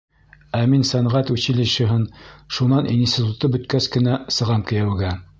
Ә мин сәнғәт училищеһын, шунан институтты бөткәс кенә сығам кейәүгә.